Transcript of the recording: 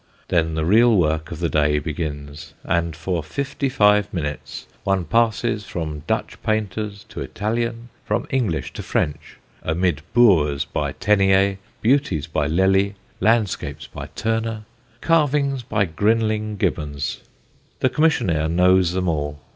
Then the real work of the day begins, and for fifty five minutes one passes from Dutch painters to Italian, from English to French: amid boors by Teniers, beauties by Lely, landscapes by Turner, carvings by Grinling Gibbons. The commissionaire knows them all.